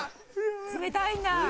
冷たいんだ。